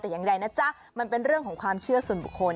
แต่อย่างไรนะจ๊ะมันเป็นเรื่องของความเชื่อส่วนบุคคล